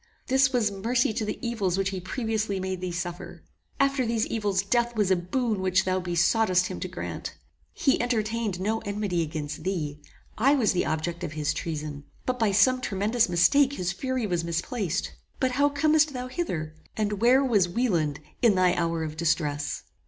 This was mercy to the evils which he previously made thee suffer! After these evils death was a boon which thou besoughtest him to grant. He entertained no enmity against thee: I was the object of his treason; but by some tremendous mistake his fury was misplaced. But how comest thou hither? and where was Wieland in thy hour of distress?